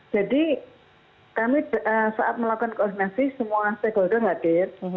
jadi kami saat melakukan koordinasi semua stakeholder hadir